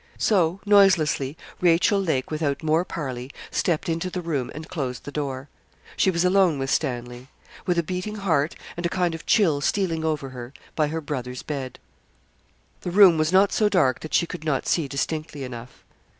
So, noiselessly, Rachel Lake, without more parley, stepped into the room, and closed the door. She was alone with Stanley With a beating heart, and a kind of chill stealing over her, by her brother's bed. The room was not so dark that she could not see distinctly enough.